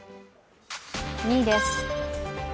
２位です。